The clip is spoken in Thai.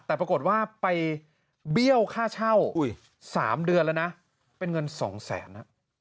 แต่ปรากฏว่าไปเบี้ยวค่าเช่า๓เดือนแล้วนะเป็นเงิน๒แสน